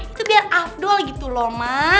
itu dia afdol gitu loh ma